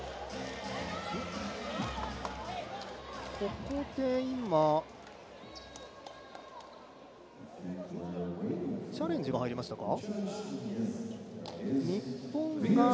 ここで今、チャレンジが入りましたか？